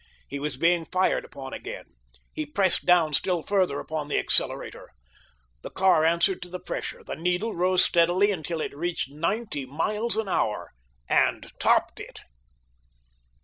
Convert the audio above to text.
He was being fired upon again. He pressed down still further upon the accelerator. The car answered to the pressure. The needle rose steadily until it reached ninety miles an hour—and topped it.